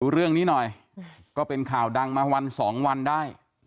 เรื่องนี้หน่อยก็เป็นข่าวดังมาวันสองวันได้